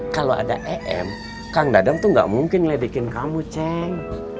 kalau ada em kang dadang tuh enggak mungkin ledekin kamu cik